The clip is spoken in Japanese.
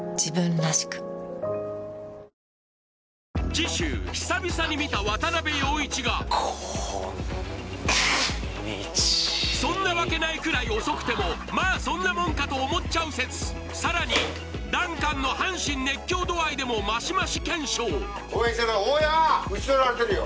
次週久々に見た渡部陽一がそんなわけないくらい遅くてもまあそんなもんかと思っちゃう説さらにダンカンの阪神熱狂度合いでもマシマシ検証打ち取られてるよ